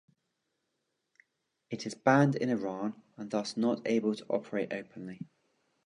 It is banned in Iran and thus not able to operate openly.